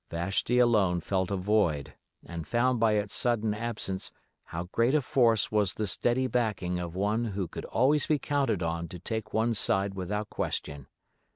Vashti alone felt a void and found by its sudden absence how great a force was the steady backing of one who could always be counted on to take one's side without question.